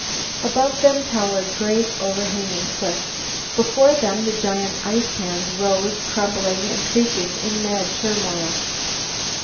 Above them towered great, overhanging cliffs. Before them the giant ice pans rose, crumbling and creaking in mad turmoil.